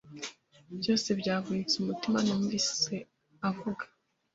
Byose byavunitse umutima numvise avuga